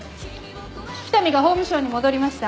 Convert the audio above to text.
北見が法務省に戻りました。